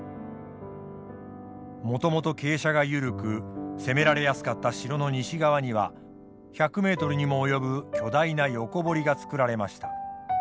もともと傾斜が緩く攻められやすかった城の西側には１００メートルにも及ぶ巨大な横堀が作られました。